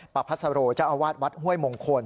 ประพัสโรเจ้าอาวาสวัดห้วยมงคล